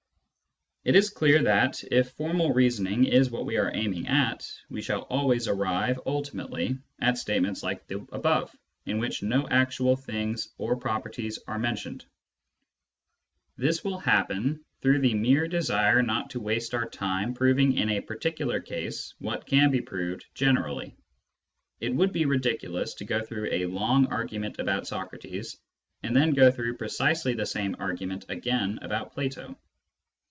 It is clear that, if formal reasoning is what we are aiming at, we shall always arrive ultimately at statements like the above, in which no actual things or properties are mentioned ; this will happen through the mere desire not to waste our time proving in a particular case what can be proved generally. It would be ridiculous to go through a long argument about Socrates, and then go through precisely the same argument again about Plato.